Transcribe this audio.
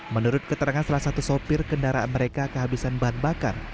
menurut keterangan salah satu sopir kendaraan mereka kehabisan bahan bakar